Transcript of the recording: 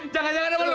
jangan jangan apa lu